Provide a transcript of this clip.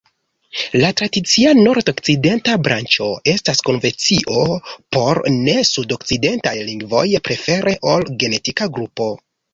La tradicia nordokcidenta branĉo estas konvencio por ne-sudokcidentaj lingvoj, prefere ol genetika grupo.